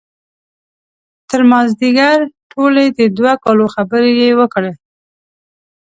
تر مازدیګر ټولې د دوه کالو خبرې یې وکړې.